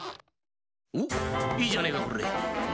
おいいじゃねえかこれ。